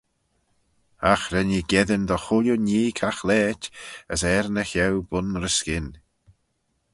Agh ren ee geddyn dy chooilley nhee caghlaait as er ny cheau bun-ry-skyn.